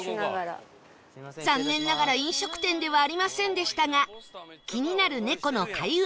残念ながら飲食店ではありませんでしたが気になる猫の開運ミュージアム